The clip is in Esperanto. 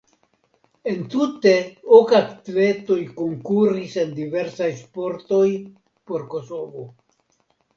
Entute ok atletoj konkuris en diversaj sportoj por Kosovo.